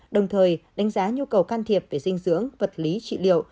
đồng thời đánh giá nhu cầu can thiệp về dinh dưỡng vật lý trị liệu